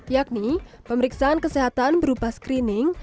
yakni pemeriksaan kesehatan berupa screening